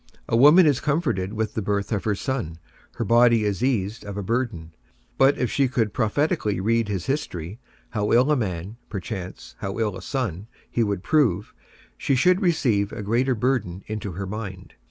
A woman is comforted with the birth of her son, her body is eased of a burden; but if she could prophetically read his history, how ill a man, perchance how ill a son, he would prove, she should receive a greater burden into her mind.